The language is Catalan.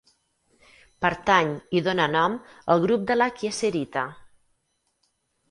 Pertany i dóna nom al grup de la kieserita.